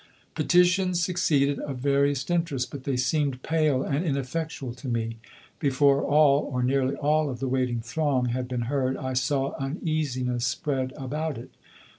Petitions succeeded, of various interest, but they seemed pale and ineffectual to me. Before all or nearly all of the waiting throng had been heard I saw uneasiness spread about it.